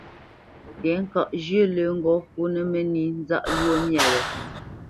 Tɛ̌ŋkaʼ zhyə̂ lə́ ŋgɔ́ fǔnə́ mə́nī nzáʼ lwó myâ wě,